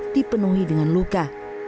dipenuhi dengan luka